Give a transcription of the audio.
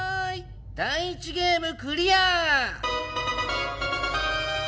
第１ゲームクリア！